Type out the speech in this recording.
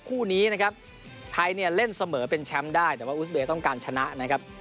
คู่นี้นะครับไทยเนี่ยเล่นเสมอเป็นแชมป์ได้แต่ว่าอุสเบย์ต้องการชนะนะครับ